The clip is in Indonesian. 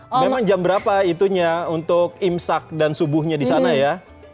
memang jam berapa itunya untuk imsak dan subuhnya di sana ya